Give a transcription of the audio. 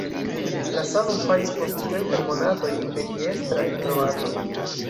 La samon faris post kelkaj monatoj imperiestraj kroatoj.